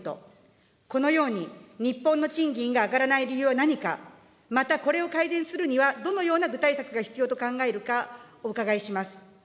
このように、日本の賃金が上がらない理由は何か、またこれを改善するにはどのような具体策が必要と考えるか、お伺いします。